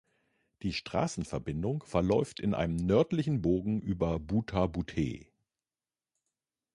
Die Straßenverbindung verläuft in einem nördlichen Bogen über Butha-Buthe.